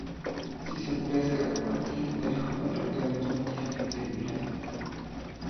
Si se pesca "Avanti", el jugador queda automáticamente eliminado.